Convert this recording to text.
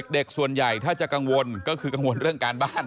เด็กส่วนใหญ่ถ้าจะกังวลก็คือกังวลเรื่องการบ้าน